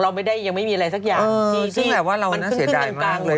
ซึ่งแหละว่าเราน่าเสียดายมากเลย